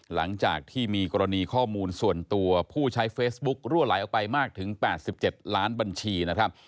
หลังจากที่มีกรณีข้อมูลส่วนตัวผู้ใช้เฟซบุ๊กรั่วไหลออกไปมากถึง๘๗ล้านบัญชีนะครับ